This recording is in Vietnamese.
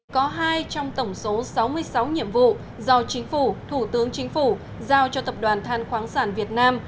có hai trong tổng số sáu mươi sáu nhiệm vụ do chính phủ thủ tướng chính phủ giao cho tập đoàn than khoáng sản việt nam